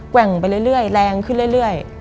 ่งไปเรื่อยแรงขึ้นเรื่อย